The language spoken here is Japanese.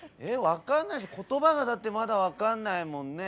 分かんない言葉がだってまだ分かんないもんね」。